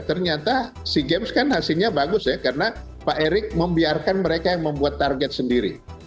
ternyata sea games kan hasilnya bagus ya karena pak erik membiarkan mereka yang membuat target sendiri